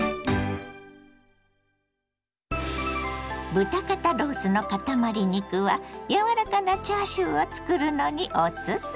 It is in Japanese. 豚肩ロースのかたまり肉は柔らかなチャーシューを作るのにおすすめ。